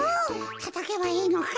たたけばいいのか？